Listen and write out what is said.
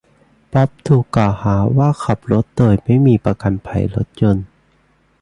บ๊อบถูกกล่าวหาว่าขับรถโดยไม่มีประกันภัยรถยนต์